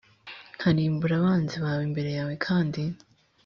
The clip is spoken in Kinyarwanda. nkarimburira abanzi bawe imbere yawe kandi